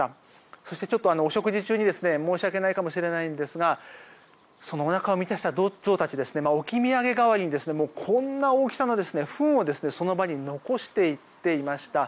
そしてお食事中に申し訳ないかもしれないんですがおなかを満たしたゾウたち置き土産代わりに大きな糞をその場に残していっていました。